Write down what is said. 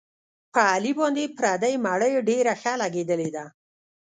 په علي باندې پردۍ مړۍ ډېره ښه لګېدلې ده.